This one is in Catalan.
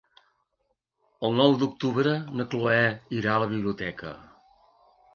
El nou d'octubre na Cloè irà a la biblioteca.